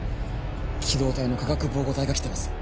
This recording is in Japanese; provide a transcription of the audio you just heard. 機動隊の化学防護隊が来てます